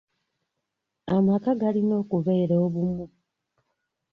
Amaka galina okubeera obumu.